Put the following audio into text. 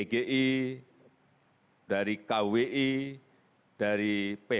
dan juga perwakilan dari pgi dan juga perwakilan dari pgi